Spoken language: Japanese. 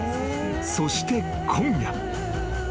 ［そして今夜］